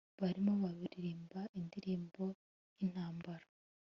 Barimo baririmba indirimbo yintambara